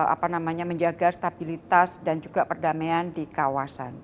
apa namanya menjaga stabilitas dan juga perdamaian di kawasan